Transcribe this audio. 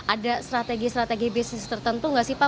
ada strategi strategi bisnis tertentu nggak sih pak